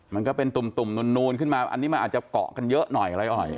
มันก็เป็นตุ่มนูนขึ้นมาอันนี้มันอาจจะเกาะกันเยอะหน่อยอะไรหน่อย